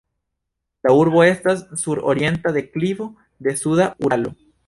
La urbo estas sur orienta deklivo de suda Uralo.